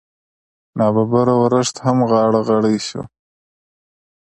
نا ببره ورښت هم غاړه غړۍ شو.